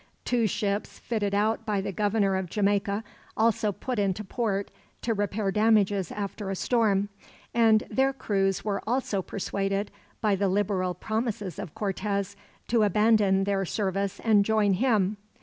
Two ships fitted out by the Governor of Jamaica also put into port, to repair damages after a storm; and their crews were also persuaded, by the liberal promises of Cortez, to abandon their service and join him.